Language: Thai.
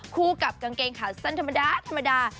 คู่กับกางเกงขาสั้นธรรมดาธรรมดา